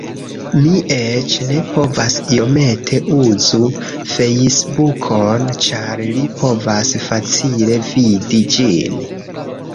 Mi eĉ ne povas iomete uzu Fejsbukon ĉar li povas facile vidi ĝin.